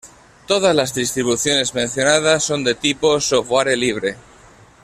Todas las distribuciones mencionadas son de tipo software libre.